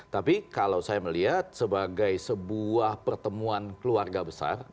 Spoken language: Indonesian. tapi kalau saya melihat sebagai sebuah pertemuan keluarga besar